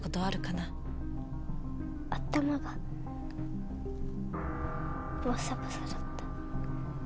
頭がボサボサだった。